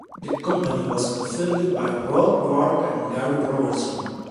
The company was co-founded by Rod Roark and Gary Robertson.